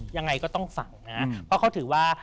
ยังไงก็ต้องฝังนะเพราะเขาถือว่า